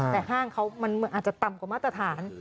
แต่ห้างเขามันอาจจะต่ำกว่ามาตรฐาน